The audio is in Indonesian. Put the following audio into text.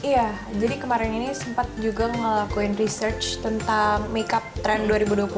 iya jadi kemarin ini sempat juga ngelakuin research tentang make up trend dua ribu dua puluh satu